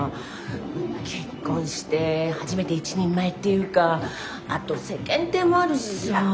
結婚して初めて一人前っていうかあと世間体もあるしさぁ。